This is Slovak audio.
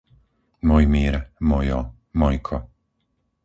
Mojmír, Mojo, Mojko